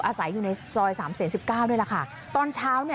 อาศัยอยู่ในซอยสามเห๑๙๗๑นี่แหละค่ะตอนเช้า